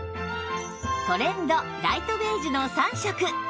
トレンドライトベージュの３色